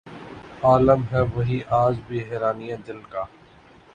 عالم ہے وہی آج بھی حیرانئ دل کا